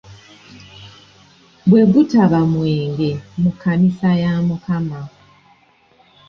Bwe gutaba mwenge mu kkanisa ya Mukama.